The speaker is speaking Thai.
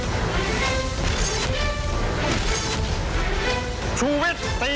สถานประกอบการนี้จะสามารถปิดสถานบริการนี้